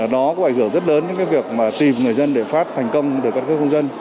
đó cũng ảnh hưởng rất lớn đến việc tìm người dân để phát thành công đời căn cước công dân